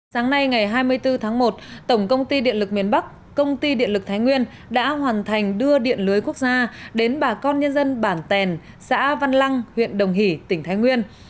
sáng nay ngày hai mươi bốn tháng một tổng công ty điện lực miền bắc công ty điện lực thái nguyên đã hoàn thành đưa điện lưới quốc gia đến bà con nhân dân bản tèn xã văn lăng huyện đồng hỷ tỉnh thái nguyên